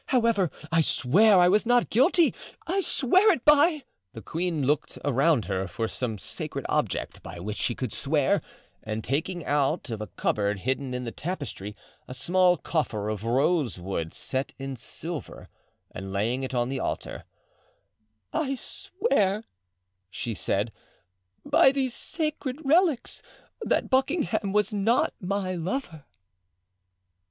However, I swear I was not guilty, I swear it by——" The queen looked around her for some sacred object by which she could swear, and taking out of a cupboard hidden in the tapestry, a small coffer of rosewood set in silver, and laying it on the altar: "I swear," she said, "by these sacred relics that Buckingham was not my lover."